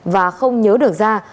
và không nhớ được ra